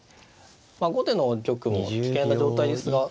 後手の玉も危険な状態ですが。